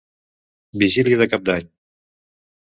Vigília de Cap d'Any.